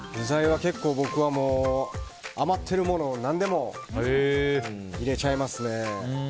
結構、僕は余ってるものを何でも入れちゃいますね。